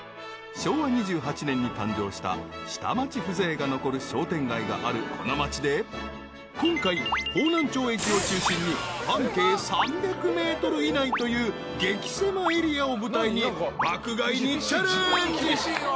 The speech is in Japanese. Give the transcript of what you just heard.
［昭和２８年に誕生した下町風情が残る商店街があるこの町で今回方南町駅を中心に半径３００ｍ以内という激狭エリアを舞台に爆買いにチャレンジ］